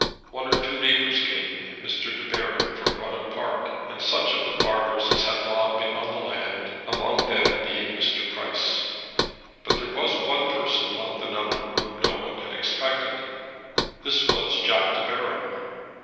One or two neighbours came, Mr. De Baron, from Rudham Park, and such of the farmers as had been long on the land, among them being Mr. Price. But there was one person among the number whom no one had expected. This was Jack De Baron.